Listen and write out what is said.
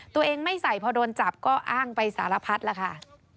ไม่ใส่พอโดนจับก็อ้างไปสารพัดแล้วค่ะ